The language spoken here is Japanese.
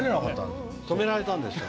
止められたんです。